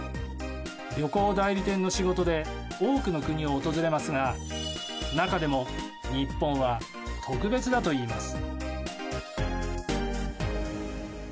旅行代理店の仕事で多くの国を訪れますが中でも日本は特別だといいます。